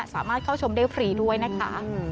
สามารถเข้าชมได้ฟรีด้วยนะคะ